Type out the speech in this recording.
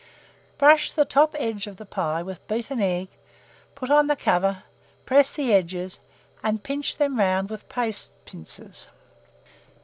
Brush the top edge of the pie with beaten egg, put on the cover, press the edges, and pinch them round with paste pincers.